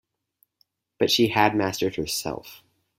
But she had mastered herself.